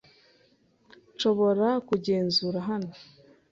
Nshobora kugenzura hano?